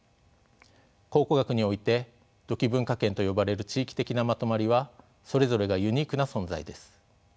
考古学において土器文化圏と呼ばれる地域的なまとまりはそれぞれがユニークな存在です。